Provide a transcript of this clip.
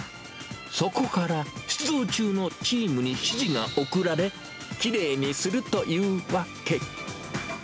そこから、出動中のチームに指示が送られ、きれいにするという訳。